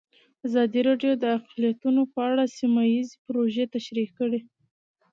ازادي راډیو د اقلیتونه په اړه سیمه ییزې پروژې تشریح کړې.